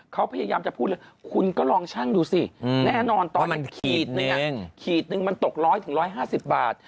เขาพยายามจะพูดคุณก็ลองชั่งดูสิแน่นอนตอนนี้ขีดนึงมันตกร้อยถึง๑๕๐บาท